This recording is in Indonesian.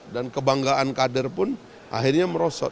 dan kebanggaan kader pun akhirnya merosot